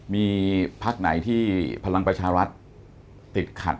มีพักไหนที่พลังประชารัฐติดขัด